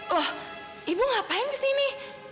wah ibu ngapain kesini